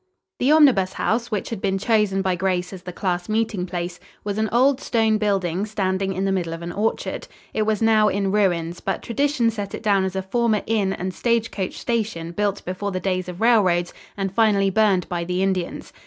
The Omnibus House, which had been chosen by Grace as the class meeting place, was an old stone building standing in the middle of an orchard. It was now in ruins, but tradition set it down as a former inn and stage coach station built before the days of railroads, and finally burned by the Indians.